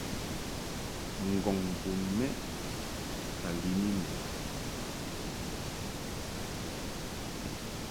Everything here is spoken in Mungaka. Ngɔŋ bun mɛʼ ka lin I mɨ.